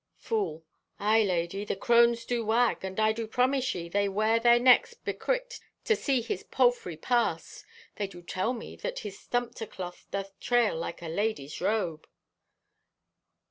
(Fool) "Aye, lady, the crones do wag, and I do promise ye they wear their necks becricked to see his palfrey pass. They do tell me that his sumpter cloth doth trail like a ladies' robe."